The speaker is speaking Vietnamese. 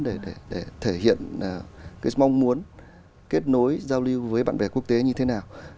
để thể hiện cái mong muốn kết nối giao lưu với bạn bè quốc tế như thế nào